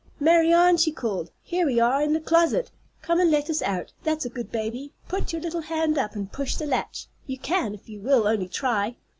"Marianne!" she called, "here we are, in the closet. Come and let us out, that's a good baby. Put your little hand up and push the latch. You can, if you will only try."